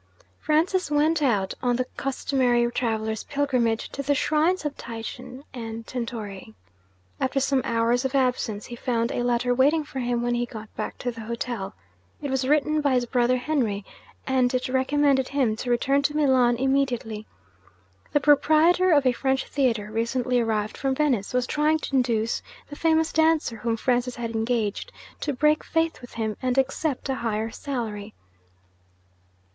Francis went out, on the customary travellers' pilgrimage to the shrines of Titian and Tintoret. After some hours of absence, he found a letter waiting for him when he got back to the hotel. It was written by his brother Henry, and it recommended him to return to Milan immediately. The proprietor of a French theatre, recently arrived from Venice, was trying to induce the famous dancer whom Francis had engaged to break faith with him and accept a higher salary.